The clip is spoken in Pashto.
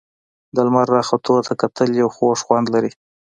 د لمر راختو ته کتل یو خوږ خوند لري.